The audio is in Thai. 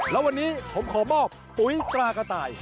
แล้ววันนี้ผมขอมอบปุ๋ยตรากระต่าย